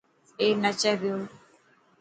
اي نچي پيو.